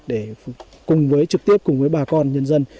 để cùng với trực tiếp cùng với bà con nhân dân